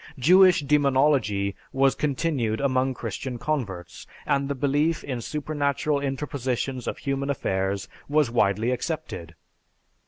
Jewish demonology was continued among Christian converts, and the belief in supernatural interpositions in human affairs was widely accepted.